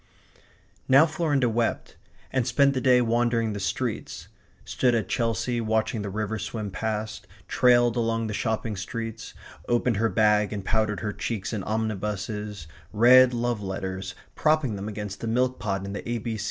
Now Florinda wept, and spent the day wandering the streets; stood at Chelsea watching the river swim past; trailed along the shopping streets; opened her bag and powdered her cheeks in omnibuses; read love letters, propping them against the milk pot in the A.